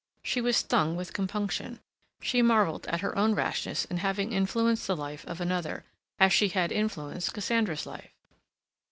She was stung with compunction. She marveled at her own rashness in having influenced the life of another, as she had influenced Cassandra's life.